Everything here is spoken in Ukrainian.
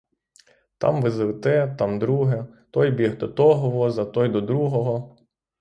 Там везли те, там друге; той біг до того воза, той до другого.